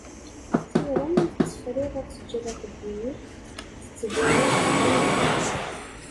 Tura mi tt-tefriḍ ad teǧǧeḍ axeddim-ik, tettbineḍ thennaḍ.